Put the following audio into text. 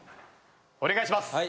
お願いします。